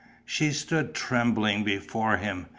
She stood trembling before him.